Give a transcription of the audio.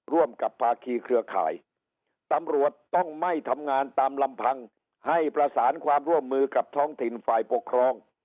ร่วมกับภาคีเครือข่ายตำรวจต้องไม่ทำงานตามลำพังให้ประสานความร่วมมือกับท้องถิ่นฝ่ายปกครอง